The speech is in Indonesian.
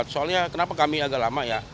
soalnya kenapa kami agak lama ya